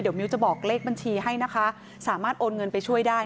เดี๋ยวมิ้วจะบอกเลขบัญชีให้นะคะสามารถโอนเงินไปช่วยได้